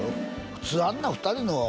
普通あんな２人のね